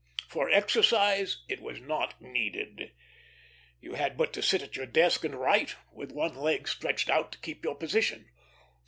For exercise it was not needed. You had but to sit at your desk and write, with one leg stretched out to keep your position.